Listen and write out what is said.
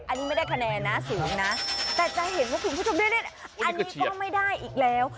อันนี้ไม่ได้คะแนนนะสูงนะแต่จะเห็นว่าคุณผู้ชมอันนี้ก็ไม่ได้อีกแล้ว